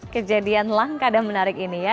kejadian langka dan menarik ini ya